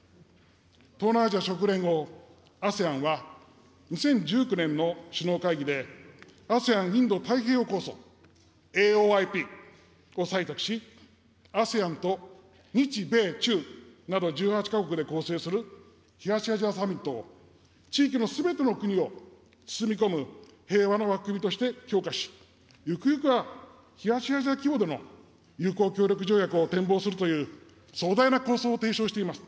東南アジア諸国連合・ＡＳＥＡＮは、２０１９年の首脳会議で、ＡＳＥＡＮインド太平洋構想・ＡＯＩＰを採択し、ＡＳＥＡＮと日米中など１８か国で構成する東アジアサミットを地域のすべての国を包み込む平和の枠組みとして強化し、ゆくゆくは東アジア規模での友好協力条約を展望するという壮大な構想を提唱しています。